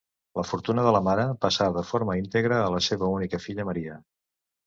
La fortuna de la mare passà de forma íntegra a la seva única filla Maria.